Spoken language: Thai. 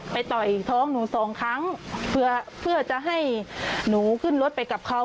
ต่อยท้องหนูสองครั้งเพื่อเพื่อจะให้หนูขึ้นรถไปกับเขา